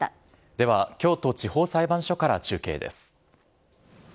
では京都地方裁判所から中継です。